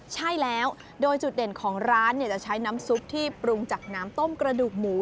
ใช่แล้วโดยจุดเด่นของร้านจะใช้น้ำซุปที่ปรุงจากน้ำต้มกระดูกหมู